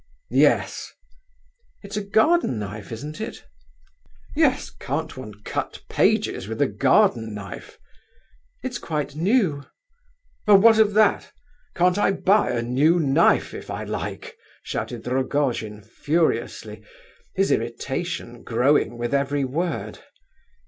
"Yes." "It's a garden knife, isn't it?" "Yes. Can't one cut pages with a garden knife?" "It's quite new." "Well, what of that? Can't I buy a new knife if I like?" shouted Rogojin furiously, his irritation growing with every word.